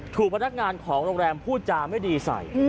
พนักงานของโรงแรมพูดจาไม่ดีใส่